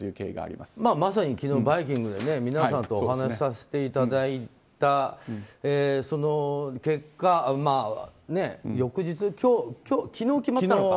まさに昨日、「バイキング」で皆さんとお話しさせていただいたその結果、昨日決まったのか。